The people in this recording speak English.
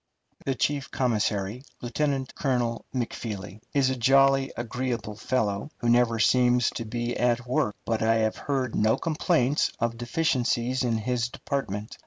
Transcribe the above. The chief commissary, Lieutenant Colonel Macfeely, is a jolly, agreeable fellow, who never seems to be at work, but I have heard no complaints of deficiencies in his department.